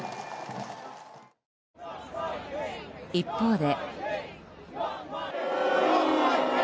一方で。